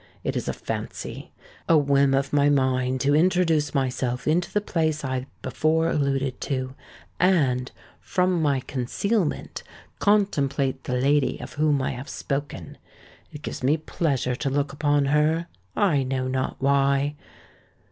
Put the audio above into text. It is a fancy—a whim of my mine to introduce myself into the place I before alluded to, and, from my concealment, contemplate the lady of whom I have spoken. It gives me pleasure to look upon her—I know not why.